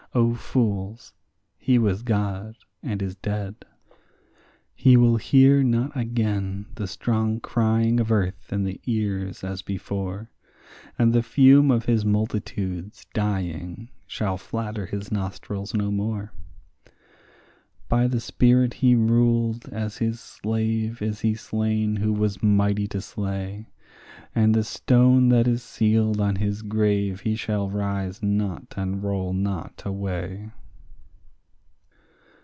O fools, he was God, and is dead. He will hear not again the strong crying of earth in his ears as before, And the fume of his multitudes dying shall flatter his nostrils no more. By the spirit he ruled as his slave is he slain who was mighty to slay, And the stone that is sealed on his grave he shall rise not and roll not away.